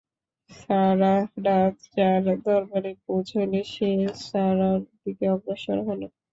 Sarah রাজার দরবারে পৌঁছলে সে সারাহর দিকে অগ্রসর হল।